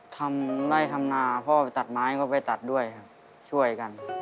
ทำไร่ทำนาพ่อไปตัดไม้ก็ไปตัดด้วยครับช่วยกัน